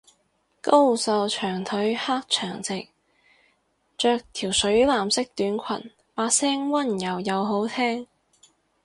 高瘦長腿黑長直，着條水藍色短裙，把聲溫柔又好聽